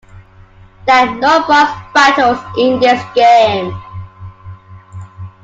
There are no boss battles in this game.